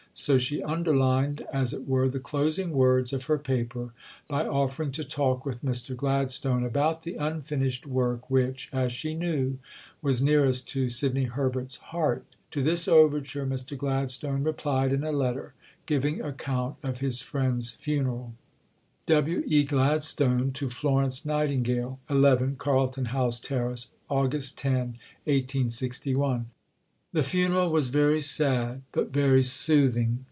So she underlined, as it were, the closing words of her Paper by offering to talk with Mr. Gladstone about the unfinished work which, as she knew, was nearest to Sidney Herbert's heart. To this overture, Mr. Gladstone replied in a letter, giving account of his friend's funeral: (W. E. Gladstone to Florence Nightingale.) 11 CARLTON HOUSE TERRACE, Aug. 10 . The funeral was very sad but very soothing.